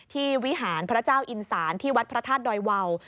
วิหารพระเจ้าอินสารที่วัดพระธาตุดอยวาว